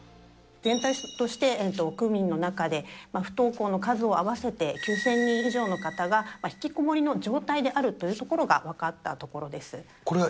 全体として区民の中で、不登校の数を合わせて、９０００人以上の方がひきこもりの状態であるというところが分かったところです。